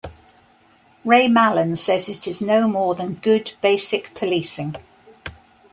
Ray Mallon says it is no more than good, basic policing.